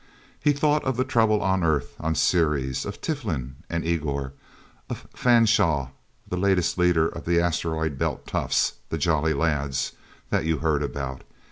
He thought of the trouble on Earth, of Ceres, of Tiflin and Igor, of Fanshaw, the latest leader of the Asteroid Belt toughs the Jolly Lads that you heard about.